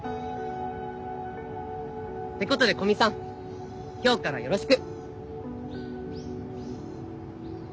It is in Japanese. てことで古見さん今日からよろしく！